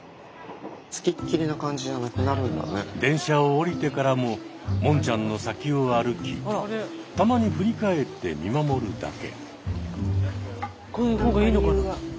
電車を降りてからももんちゃんの先を歩きたまに振り返って見守るだけ。